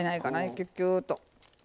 キュッキューッと。